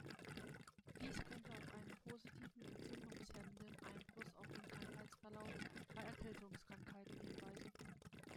Dies könnte auf einen positiven, entzündungshemmenden Einfluss auf den Krankheitsverlauf bei Erkältungskrankheiten hinweisen.